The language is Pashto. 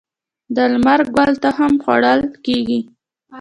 د لمر ګل تخم خوړل کیږي.